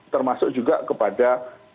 termasuk juga kepada